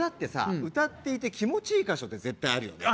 歌っていて気持ちいい箇所って絶対あるよね